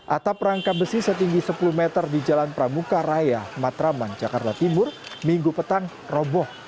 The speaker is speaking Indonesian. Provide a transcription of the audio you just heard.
atap rangka besi setinggi sepuluh meter di jalan pramuka raya matraman jakarta timur minggu petang roboh